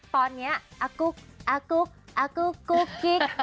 ตอนนี้อากุ๊กอากุ๊กอากุ๊กกุ๊กกิ๊ก